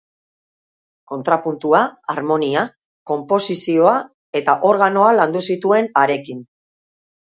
Kontrapuntua, harmonia, konposizioa eta organoa landu zituen harekin.